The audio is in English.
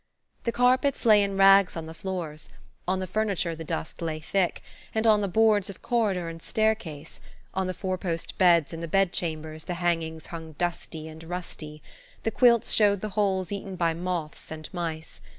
The carpets lay in rags on the floors; on the furniture the dust lay thick, and on the boards of corridor and staircase; on the four post beds in the bedchambers the hangings hung dusty and rusty–the quilts showed the holes eaten by moths and mice.